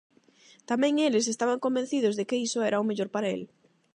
Tamén eles estaban convencidos de que iso era o mellor para el.